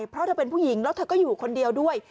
เพราะเธอเป็นผู้หญิงแล้วเธอก็อยู่คนเดียวด้วย